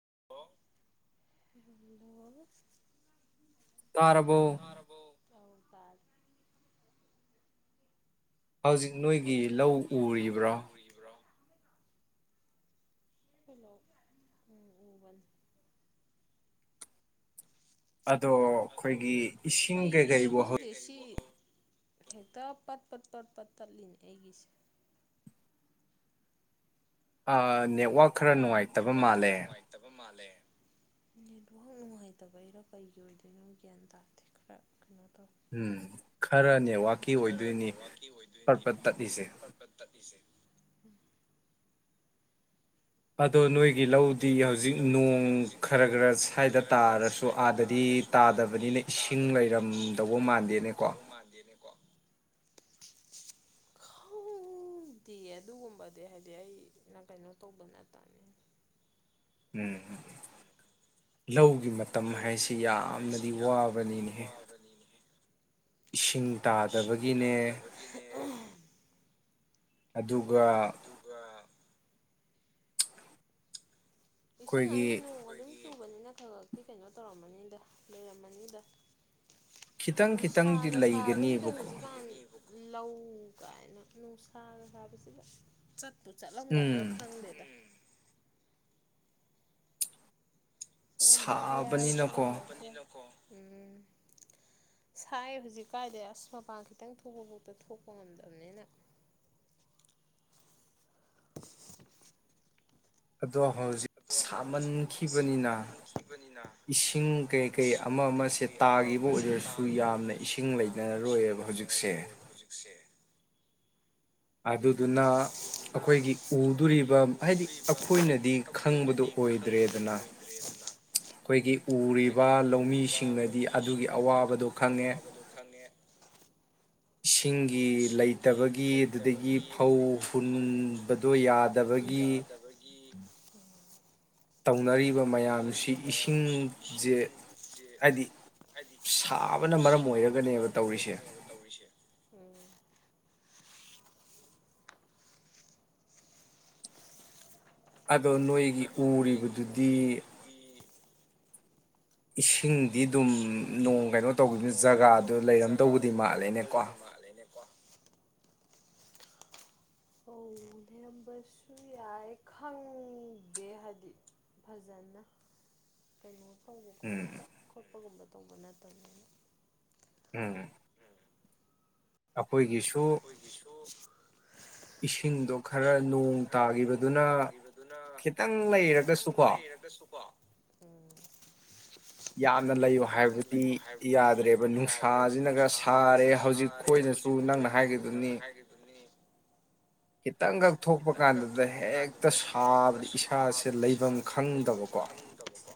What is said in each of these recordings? [unintelligible] ꯇꯥꯔꯕꯣ ꯑꯧ ꯇꯔꯦ ꯍꯧꯖꯤꯛ ꯅꯣꯏꯒꯤ ꯂꯧ ꯎꯔꯤꯕꯔꯣ ꯈꯣꯏꯂꯧ ꯎꯝ ꯎꯕꯅꯦ ꯑꯗꯣ ꯑꯩꯈꯣꯏꯒꯤ ꯏꯁꯤꯡ ꯀꯩꯀꯩꯕꯨ ꯍꯧ ꯍꯦꯛꯇ ꯄꯠ ꯄꯠ ꯄꯠ ꯄꯠ ꯇꯠꯂꯤꯅꯦ ꯑꯩꯒꯤꯁꯦ ꯑꯥ ꯅꯦꯋ ꯋꯥꯛ ꯈꯔ ꯅꯨꯡꯉꯥꯏꯇꯕ ꯃꯥꯜꯂꯦ ꯅꯦꯠꯋꯥꯛ ꯅꯨꯡꯉꯥꯏꯇꯕꯩꯔꯥ ꯀꯩꯒꯤ ꯑꯣꯏꯗꯣꯏꯅꯣ ꯒ꯭ꯌꯥꯟ ꯇꯥꯗꯦ ꯈꯔ ꯀꯩꯅꯣ ꯎꯝ ꯈꯔ ꯅꯦꯠꯋꯥꯛꯀꯤ ꯑꯣꯏꯗꯣꯏꯅꯤ ꯄꯠ ꯄꯠ ꯇꯠꯂꯤꯁꯦ [unintelligible] [unintelligible] ꯑꯗꯣ ꯅꯣꯏꯒꯤ ꯂꯧꯗꯤ ꯍꯧꯖꯤꯛ ꯅꯣꯡ ꯈꯔ ꯈꯔ ꯁ꯭ꯋꯥꯏꯗ ꯇꯥꯔꯁꯨ ꯑꯥꯗꯗꯤ ꯇꯥꯗꯕꯅꯤꯅ ꯏꯁꯤꯡ ꯂꯩꯔꯝꯗꯧꯕ ꯃꯥꯟꯗꯦꯅꯦꯀꯣ ꯈꯪꯎꯗꯦ ꯑꯗꯨꯒꯨꯝꯕꯗꯤ ꯍꯥꯏꯗꯤ ꯑꯩꯅ ꯀꯩꯅꯣ ꯇꯧꯕ ꯅꯠꯇꯝꯅꯤꯅ ꯎꯝ ꯂꯧ ꯃꯇꯝ ꯍꯥꯏꯁꯤ ꯌꯥꯝꯅꯗꯤ ꯋꯥꯕꯅꯤꯅꯦꯍꯦ ꯏꯁꯤꯡ ꯇꯥꯗꯕꯒꯤꯅꯦ ꯑꯗꯨꯒ ꯏꯁꯤꯡ ꯍꯥꯏꯁꯤ ꯅꯣꯡ ꯑꯗꯨꯝ ꯆꯨ ꯐꯖꯅ ꯈꯔ ꯈꯔꯛꯇꯤ ꯀꯩꯅꯣ ꯇꯧꯔꯝꯃꯅꯤꯗ ꯂꯩꯔꯝꯃꯅꯤꯗ ꯅꯨꯡꯁꯥꯒ ꯁꯥꯕꯁꯤꯗ ꯍꯧꯖꯤꯛꯀꯥꯟ ꯂꯧ ꯀꯥꯏꯅ ꯅꯨꯡꯁꯥꯒ ꯁꯥꯕꯁꯤꯗ ꯆꯠ ꯇꯨ ꯆꯠꯂꯝꯒꯗ꯭ꯔꯥ ꯈꯪꯗꯦꯗ ꯆꯠꯂꯝꯕꯁꯨ ꯌꯥꯏ ꯆꯠꯂꯝꯗꯕꯁꯨ ꯌꯥꯏ ꯎꯝ ꯁꯥꯏ ꯍꯧꯖꯤꯛ ꯀꯥꯏꯗꯩ ꯑꯁ ꯃꯄꯥꯟ ꯈꯤꯇꯪ ꯊꯣꯛꯄꯐꯥꯎꯗ ꯊꯣꯛꯄ ꯉꯝꯗꯕꯅꯤꯅ ꯑꯗꯣ ꯍꯧꯖꯤꯛ ꯁꯥꯃꯟꯈꯤꯕꯅꯤꯅ ꯏꯁꯤꯡ ꯀꯩ ꯀꯩ ꯑꯃ ꯑꯃꯁꯦꯠ ꯇꯥꯈꯤꯕ ꯑꯣꯏꯔꯁꯨ ꯌꯥꯝꯅ ꯏꯁꯤꯡ ꯂꯩꯅꯔꯔꯣꯏꯕ ꯍꯧꯖꯤꯛꯁꯦ ꯑꯗꯨꯗꯨꯅ ꯑꯩꯈꯣꯏꯒꯤ ꯎꯗꯨꯔꯤꯕ ꯍꯥꯏꯗꯤ ꯑꯩꯈꯣꯏꯅꯗꯤ ꯈꯪꯕꯗꯨ ꯑꯣꯏꯗ꯭ꯔꯦꯗꯅ ꯑꯩꯈꯣꯏꯒꯤ ꯎꯔꯤꯕ ꯂꯧꯃꯤꯁꯤꯡꯅꯗꯤ ꯑꯗꯨꯒꯤ ꯑꯋꯥꯕꯗꯣ ꯈꯪꯉꯦ ꯏꯁꯤꯡꯒꯤ ꯂꯩꯇꯕꯒꯤ ꯑꯗꯨꯗꯒꯤ ꯐꯧ ꯍꯨꯟꯕꯗꯣ ꯌꯥꯗꯕꯒꯤ ꯅꯔꯤꯕ ꯃꯌꯥꯝꯁꯤ ꯏꯁꯤꯡꯖꯦ ꯍꯥꯏꯗꯤ ꯁꯥꯕꯅ ꯃꯔꯝ ꯑꯣꯏꯔꯒꯅꯦꯕ ꯇꯧꯔꯤꯁꯦ ꯑꯗꯣ ꯅꯣꯏꯒꯤ ꯎꯔꯤꯕꯗꯨꯗꯤ ꯏꯁꯤꯡ ꯏꯁꯤꯡꯗꯤ ꯑꯗꯨꯝ ꯅꯣꯡ ꯀꯩꯅꯣ ꯇꯧꯕꯅꯤꯅ ꯖꯒꯥꯗꯣ ꯂꯩꯔꯝꯗꯧꯕꯗꯤ ꯃꯥꯜꯂꯦꯅꯦꯀꯣ ꯑꯣ ꯂꯩꯔꯝꯕꯁꯨ ꯌꯥꯏ ꯈꯪꯗꯦ ꯍꯥꯏꯕꯗꯤ ꯐꯖꯅ ꯀꯩꯅꯣ ꯈꯪꯗꯦ ꯑꯩꯈꯣꯏꯗꯣ ꯆꯠꯄ ꯈꯣꯠꯄ ꯒꯨꯝꯕ ꯇꯧꯕ ꯅꯠꯇꯕꯅꯤꯅ ꯎꯝ ꯑꯈꯣꯏꯒꯤꯁꯨ ꯏꯁꯤꯡꯗꯣ ꯈꯔ ꯅꯣꯡ ꯇꯥꯒꯤꯕꯗꯨꯅ ꯈꯤꯇꯪ ꯂꯩꯔꯒꯁꯨꯀꯣ ꯌꯥꯝꯅ ꯂꯩꯌꯣ ꯍꯥꯏꯕꯗꯨꯗꯤ ꯌꯥꯗ꯭ꯔꯦꯕ ꯅꯨꯡꯁꯥꯁꯤꯅꯒ ꯁꯥꯔꯦ ꯍꯧꯖꯤꯛ ꯈꯣꯏꯅꯁꯨ ꯑꯩꯈꯣꯏꯅꯁꯨ ꯅꯪꯅ ꯍꯥꯏꯕꯤꯗꯨꯅꯤ [unintelligible] ꯈꯤꯇꯪꯈꯛ ꯊꯣꯛꯄ ꯀꯥꯟꯗꯗ ꯍꯦꯛꯇ ꯁꯥꯕ ꯏꯁꯥꯁꯦ ꯂꯩꯚꯝ ꯈꯪꯗꯕꯀꯣ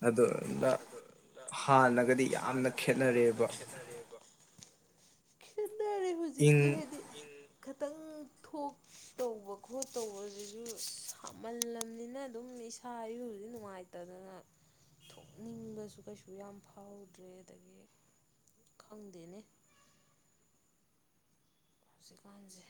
ꯑꯗ ꯑꯗꯨ ꯍꯥꯟꯅꯒꯗꯤ ꯌꯥꯝꯅ ꯈꯦꯅꯔꯦꯕ ꯈꯦꯅꯔꯦ ꯍꯧꯖꯤꯛꯇꯤ ꯍꯥꯏꯗꯤ ꯏꯪ ꯈꯥꯇꯪ ꯊꯣꯛ ꯇꯧꯕ ꯈꯣꯠ ꯇꯧꯕꯁꯤꯁꯨ ꯁꯥꯃꯜꯂꯝꯅꯤꯅꯥ ꯑꯗꯨꯝ ꯏꯁꯥ ꯏꯎꯁꯨ ꯅꯨꯡꯉꯥꯏꯇꯗꯅ ꯊꯣꯛ ꯅꯤꯡꯕꯁꯨ ꯀꯩꯁꯨ ꯌꯥꯝ ꯐꯥꯎꯗ꯭ꯔꯦ ꯑꯗꯒꯤ ꯈꯪꯗꯦꯅꯦ ꯍꯧꯖꯤꯛꯀꯥꯟꯁꯦ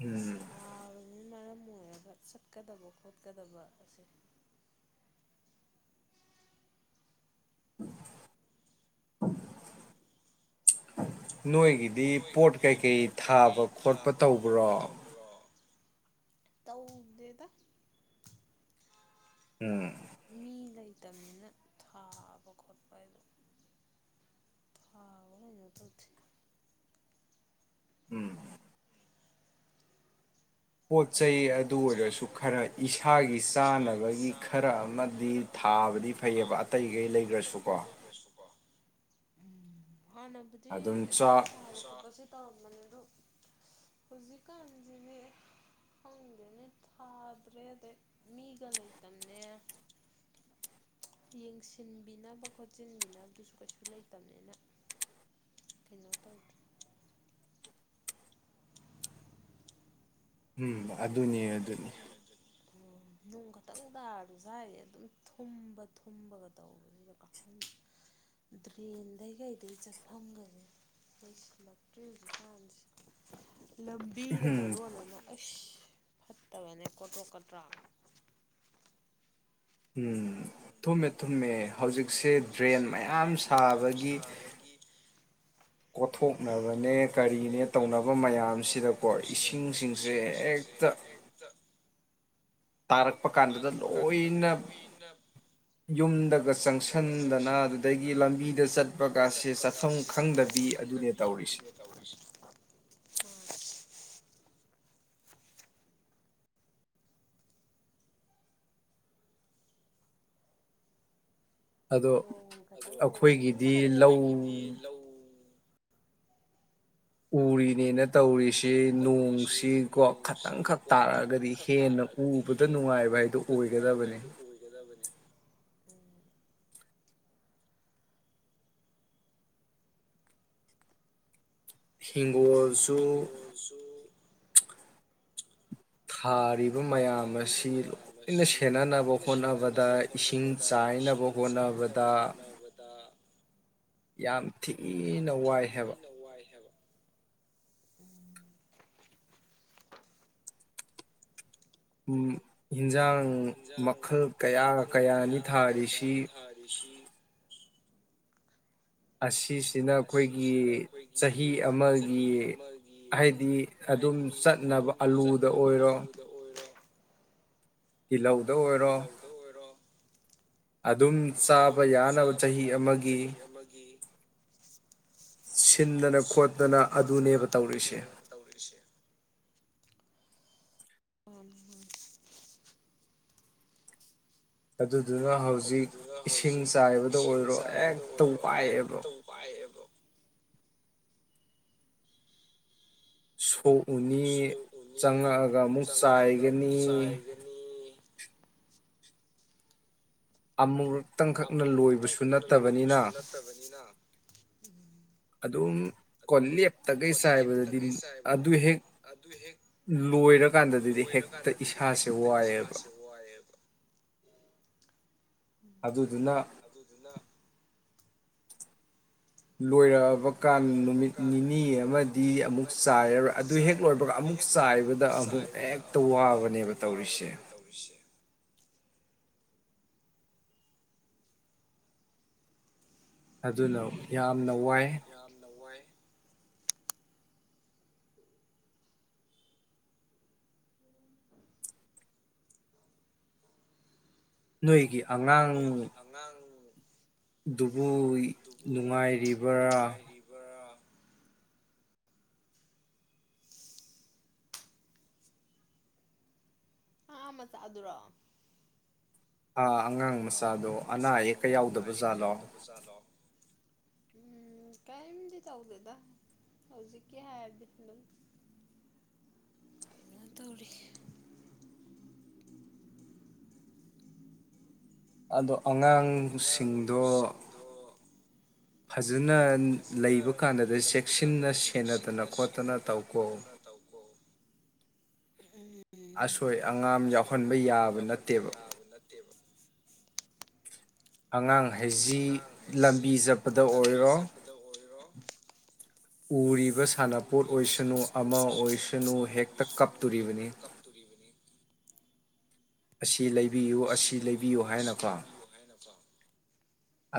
ꯎꯝ ꯑꯣꯏꯔꯥꯒꯥ ꯆꯠꯀꯗꯕ ꯈꯣꯠꯀꯗꯕ ꯁꯦ [inaudible] ꯅꯣꯏꯒꯤꯗꯤ ꯄꯣꯠ ꯀꯩꯀꯩ ꯊꯥꯕ ꯈꯣꯠꯄ ꯇꯧꯕ꯭ꯔꯣ ꯇꯧꯗꯦꯗꯥ ꯎꯝ ꯃꯤ ꯂꯩꯇꯕꯅꯤꯅ ꯊꯥꯕ ꯈꯣꯠꯄ ꯍꯥꯏꯗꯣ ꯊꯥꯕ ꯀꯩꯅꯣ ꯇꯧꯗ꯭ꯔꯦ ꯎꯝ [unintelligible] ꯄꯣꯠ ꯆꯩ ꯑꯗꯨ ꯑꯣꯏꯔꯁꯨ ꯈꯔ ꯏꯁꯥꯒꯤ ꯆꯥꯅꯕꯒꯤ ꯈꯔ ꯑꯃꯗꯤ ꯊꯥꯕꯗꯤ ꯐꯩꯑꯕ ꯑꯇꯩꯈꯩ ꯂꯩꯒ꯭ꯔꯁꯨꯀꯣ ꯎꯝ ꯍꯥꯟꯅꯕꯨꯗꯤ ꯑꯗꯨꯝ ꯊꯥꯕ ꯈꯣꯠꯄꯁꯦ ꯇꯧꯔꯝꯕꯅꯦ ꯑꯗꯣ ꯍꯧꯖꯤꯛ ꯀꯥꯟꯖꯤꯗꯤ ꯈꯪꯗꯦꯅꯦ ꯊꯥꯗ꯭ꯔꯦ ꯑꯗꯩꯩ ꯃꯤꯒ ꯂꯩꯇꯝꯅꯦ ꯌꯦꯡꯁꯤꯟꯕꯤꯅꯕ ꯈꯣꯠꯆꯤꯟꯕꯤꯅꯕꯁꯨ ꯀꯩꯁꯨ ꯂꯩꯇꯝꯅꯤꯅꯥ ꯀꯩꯅꯣ ꯇꯧꯗ꯭ꯔꯦ ꯎꯝ ꯑꯗ ꯑꯗꯨꯅꯤ ꯑꯗꯨꯅꯤ ꯅꯣꯡ ꯈꯛꯇꯪ ꯇꯥꯔꯗꯤ ꯁꯋꯥꯏꯁꯦ ꯑꯗꯨꯝ ꯊꯨꯝꯕ ꯊꯨꯝꯕꯒ ꯇꯧꯔꯒꯥꯀꯣ ꯑꯗꯨꯝ ꯗꯔ꯭ꯦꯟ ꯗꯩꯩ ꯀꯩꯗꯩꯩ ꯆꯥꯇꯐꯝꯒꯥ ꯂꯩꯁꯤꯜ ꯂꯛꯇ꯭ꯔꯦ ꯍꯧꯖꯤꯛꯀꯥꯟ ꯂꯝꯕꯤꯅ ꯃꯔꯣꯜ ꯑꯃꯥ ꯑꯁ ꯐꯠꯇꯕꯅꯦ ꯀꯣꯗ꯭ꯔꯣꯛ ꯀꯗ꯭ꯔꯥꯛ ꯎꯝ ꯊꯨꯝꯃꯦ ꯊꯨꯝꯃꯦ ꯍꯧꯖꯤꯛꯁꯦ ꯗ꯭ꯔꯦꯟ ꯃꯌꯥꯝ ꯁꯥꯕꯒꯤ ꯀꯣꯠꯊꯣꯛꯅꯕꯅꯦ ꯀꯔꯤꯅꯦ ꯇꯧꯅꯕ ꯃꯌꯥꯝꯁꯤꯗꯀꯣ ꯏꯁꯤꯡꯁꯤꯡꯁꯦ ꯍꯦꯛꯇ ꯇꯥꯔꯛꯄ ꯀꯥꯟꯗꯨꯗ ꯂꯣꯏꯅ ꯌꯨꯝꯗꯒ ꯆꯪꯁꯤꯟꯗꯅ ꯑꯗꯨꯗꯒꯤ ꯂꯝꯕꯤꯗ ꯆꯠꯄꯒꯁꯦ ꯆꯠꯐꯝ ꯈꯪꯗꯕꯤ ꯑꯗꯨꯅꯦ ꯇꯧꯔꯤꯁꯦ [inaudible] ꯅꯣꯡ ꯈꯤꯇꯡꯆꯨꯕ ꯍꯧꯖꯤꯛꯇ ꯍꯜꯂꯠꯑꯦ ꯑꯩꯈꯣꯏꯒꯤꯗꯤ ꯂꯧ ꯎꯔꯤ ꯅꯦꯅ ꯇꯧꯔꯤꯁꯤ ꯅꯣꯡꯁꯤꯀꯣ ꯈꯇꯪ ꯈꯛ ꯇꯥꯔꯛꯑꯒꯗꯤ ꯍꯦꯟꯅ ꯎꯕꯗ ꯅꯨꯡꯉꯥꯏꯕ ꯍꯥꯏꯗꯣ ꯑꯣꯏꯒꯗꯕꯅꯦ ꯎꯝ ꯁꯤ ꯍꯤꯡꯒꯣꯜꯁꯨ ꯊꯥꯔꯤ ꯃꯌꯥꯝ ꯑꯁꯤ ꯂꯣꯏꯅ ꯁꯦꯟꯅꯅꯕ ꯍꯣꯠꯅꯕꯗ ꯏꯁꯤꯡ ꯆꯥꯏꯅꯕ ꯍꯣꯠꯅꯕꯗ ꯌꯥꯝ ꯊꯤꯅ ꯋꯥꯏ ꯍꯥꯏꯕ ꯎꯝ ꯏꯟꯖꯥꯡ ꯃꯈꯜ ꯀꯌꯥ ꯀꯌꯥꯅꯤ ꯊꯥꯔꯤꯁꯤ ꯑꯁꯤꯁꯤꯅ ꯑꯩꯈꯣꯏꯒꯤ ꯆꯍꯤ ꯑꯃꯒꯤ ꯍꯥꯏꯗꯤ ꯑꯗꯨꯝ ꯆꯠꯅꯕ ꯑꯂꯨꯗ ꯑꯣꯏꯔꯣ ꯇꯤꯜꯂꯧ ꯑꯗꯨꯗ ꯑꯣꯏꯔꯣ ꯑꯗꯨꯝ ꯆꯥꯕ ꯌꯥꯅꯕ ꯆꯍꯤ ꯑꯃꯒꯤ ꯁꯤꯟꯗꯅ ꯈꯣꯠꯇꯅ ꯑꯗꯨꯅꯦꯕ ꯇꯧꯔꯤꯁꯦ ꯑꯣꯝ ꯑꯗꯨ ꯑꯗꯨꯅ ꯍꯧꯖꯤꯛ ꯏꯁꯤꯡ ꯆꯥꯏꯕꯗ ꯑꯣꯏꯔꯣ ꯍꯦꯛꯇ ꯋꯥꯏꯑꯦꯕ ꯁꯣ ꯎꯅꯤ ꯆꯪꯉꯛꯑꯒ ꯑꯃꯨꯛ ꯆꯥꯏꯒꯅꯤ ꯑꯃꯨꯔꯛ ꯈꯛꯇꯪꯈꯛꯅ ꯂꯣꯏꯕꯁꯨ ꯅꯠꯇꯕꯅꯤꯅ ꯑꯗꯨꯝ ꯀꯣ ꯂꯦꯞꯇꯒꯩ ꯆꯥꯏꯕꯗꯗꯤ ꯑꯗꯨ ꯍꯦꯛ ꯂꯣꯏꯔꯀꯥꯟꯗꯗꯗꯤ ꯍꯦꯛꯇ ꯏꯁꯥꯁꯦ ꯋꯥꯏꯑꯦꯕ ꯑꯗꯨꯗꯨꯅ ꯂꯣꯏꯔꯛꯑꯕ ꯀꯥꯟ ꯅꯨꯃꯤꯠ ꯅꯤꯅꯤ ꯑꯃꯗꯤ ꯑꯃꯨꯛ ꯆꯥꯏꯔꯔꯣꯏ ꯑꯗꯨ ꯍꯦꯛ ꯂꯣꯏꯕꯒ ꯑꯃꯨꯛ ꯆꯥꯏꯕꯗ ꯑꯃꯨꯛ ꯍꯦꯛꯇ ꯋꯥꯕꯅꯦꯕ ꯇꯧꯔꯤꯁꯦ ꯑꯗꯨꯅ ꯌꯥꯝꯅ ꯋꯥꯏ ꯅꯣꯏꯒꯤ ꯑꯉꯥꯡ ꯑꯗꯨꯕꯨ ꯅꯨꯡꯉꯥꯏꯔꯤꯕ꯭ꯔꯥ ꯑꯉꯥꯡ ꯃꯆꯥꯗꯨꯔꯣ ꯑꯥ ꯑꯉꯥꯡ ꯃꯆꯥꯗꯣ ꯑꯅꯥ ꯑꯌꯦꯛꯀ ꯌꯥꯎꯗꯕ ꯖꯥꯠꯂꯣ ꯎꯝ ꯀꯔꯤꯝꯗꯤ ꯇꯧꯗꯦꯗ ꯍꯧꯖꯤꯛꯀꯤ ꯍꯥꯏꯕꯅꯤꯅ ꯑꯗꯨꯝ ꯀꯩꯅꯣ ꯇꯧꯔꯤ ꯑꯗꯣ ꯑꯉꯥꯡꯁꯤꯡꯗꯣ ꯐꯖꯅ ꯂꯩꯕ ꯀꯥꯟꯗꯗ ꯆꯦꯛꯁꯤꯟꯅ ꯁꯦꯟꯅꯗꯅ ꯈꯣꯠꯇꯅ ꯇꯧꯀꯣ ꯑꯁꯣꯏ ꯑꯉꯥꯝ ꯌꯥꯎꯍꯟꯕ ꯌꯥꯕ ꯅꯠꯇꯦꯕ ꯑꯉꯥꯡ ꯍꯩꯖꯤꯛ ꯂꯝꯕꯤ ꯆꯠꯄꯗ ꯑꯣꯏꯔꯣ ꯎꯔꯤꯕ ꯁꯥꯟꯅꯄꯣꯠ ꯑꯣꯏꯁꯅꯨ ꯑꯃ ꯑꯣꯏꯁꯅꯨ ꯍꯦꯛꯇ ꯀꯞꯇꯣꯔꯤꯕꯅꯤ ꯑꯁꯤ ꯂꯩ ꯑꯁꯤ ꯂꯩꯕꯤꯌꯨ ꯑꯁꯤ ꯂꯩꯕꯤꯌꯨ ꯍꯥꯏꯅꯀꯣ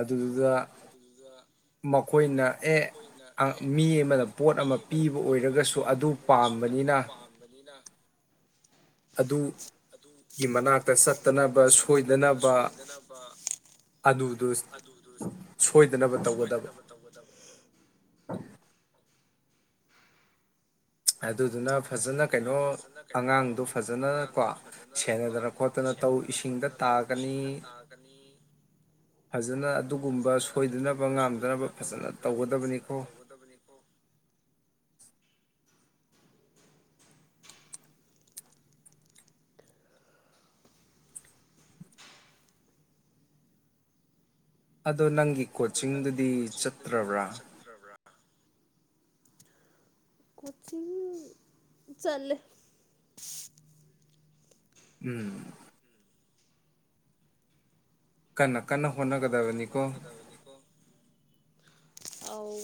ꯑꯗꯨꯗꯨꯗ ꯃꯈꯣꯏꯅ ꯑꯦ ꯃꯤ ꯑꯃꯅ ꯄꯣꯠ ꯑꯃ ꯄꯤꯕ ꯑꯣꯏꯔꯒꯁꯨ ꯑꯗꯨ ꯄꯥꯝꯕꯅꯤꯅ ꯑꯗꯨꯒꯤ ꯃꯅꯥꯛꯇ ꯆꯠꯇꯅꯕ ꯁꯣꯏꯗꯅꯕ ꯑꯗꯨꯗꯨ ꯁꯣꯏꯗꯅꯕ ꯇꯧꯒꯗꯕ ꯑꯗ ꯑꯗꯨꯗꯨꯅ ꯐꯖꯅ ꯀꯩꯅꯣ ꯑꯉꯥꯡꯗꯣ ꯐꯖꯅ ꯀꯣ ꯁꯦꯟꯅꯗꯅ ꯈꯣꯠꯇꯅ ꯇꯧ ꯏꯁꯤꯡꯗ ꯇꯥꯒꯅꯤ ꯐꯖꯅ ꯑꯗꯨꯒꯨꯝꯕ ꯁꯣꯏꯗꯅꯕ ꯉꯥꯝꯗꯅꯕ ꯐꯖꯅ ꯇꯧꯒꯗꯕꯅꯤꯀꯣ ꯑꯗꯣ ꯅꯪꯒꯤ ꯀꯣꯆꯤꯡꯗꯨꯗꯤ ꯆꯠꯇ꯭ꯔꯕ꯭ꯔꯥ ꯀꯣꯆꯤꯡ ꯆꯠꯂꯦ ꯎꯝ ꯀꯟꯅ ꯀꯟꯅ ꯀꯟꯅ ꯍꯣꯠꯅꯒꯗꯕꯅꯤꯀꯣ ꯑꯧ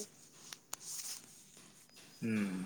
ꯎꯝ